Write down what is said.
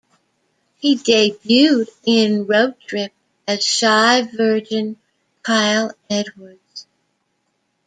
He debuted in "Road Trip" as shy virgin Kyle Edwards.